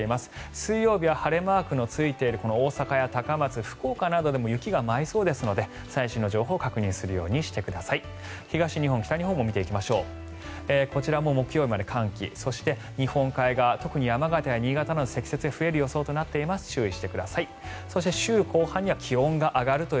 水曜日は晴れマークのついているこの大阪や高松、福岡でも雪が舞いそうですので最新の情報を確認するようにしてください。